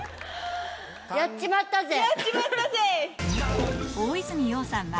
やっちまったぜ！